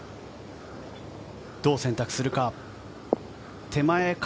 どう選択するか？